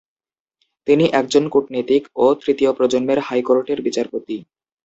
তিনি একজন কূটনীতিক ও তৃতীয় প্রজন্মের হাইকোর্টের বিচারপতি।